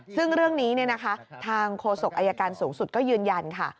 ซึ่งเรื่องนี้ทางโฆษกอายการสูงสุดก็ยืนยันค่ะ